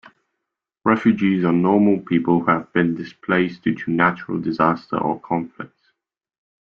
Refugees are normal people who have been displaced due to natural disaster or conflicts